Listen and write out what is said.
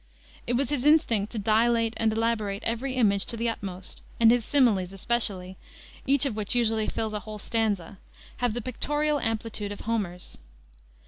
It was his instinct to dilate and elaborate every image to the utmost, and his similes, especially each of which usually fills a whole stanza have the pictorial amplitude of Homer's.